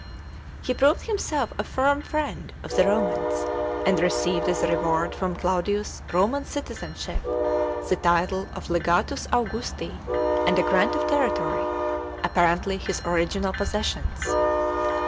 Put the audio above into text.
He proved himself a firm friend of the Romans, and received as a icward from Claudius Roman citizenship, the title of legatus Auyusti, and a grant of territory — apparently his original possessions.